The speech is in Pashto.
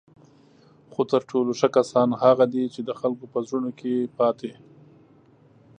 خو تر ټولو ښه کسان هغه دي چی د خلکو په زړونو کې پاتې